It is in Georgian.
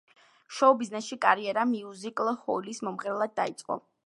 შოუ-ბიზნესში კარიერა მიუზიკ-ჰოლის მომღერლად დაიწყო.